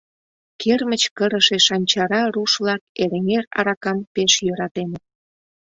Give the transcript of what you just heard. Кермыч кырыше Шанчара руш-влак Эреҥер аракам пеш йӧратеныт.